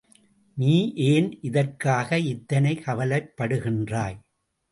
நீ ஏன் இதற்காக இத்தனை கவலைப்படுகின்றாய்?